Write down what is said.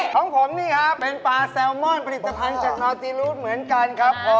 ของผมนี่ครับเป็นปลาแซลมอนผลิตภัณฑ์จากนอตีรูดเหมือนกันครับผม